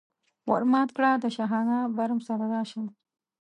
ور مات کړه د شاهانه برم سره راشه.